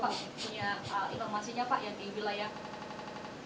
mungkin bapak punya informasinya pak ya